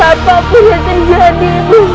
apapun yang terjadi